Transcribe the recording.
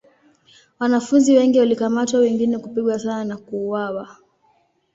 Wanafunzi wengi walikamatwa wengine kupigwa sana na kuuawa.